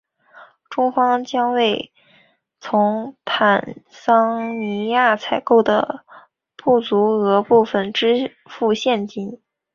中方将为从坦桑尼亚采购的不足额部分支付现金。